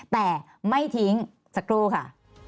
แต่ไม่ทิ้งสกุลค่ะ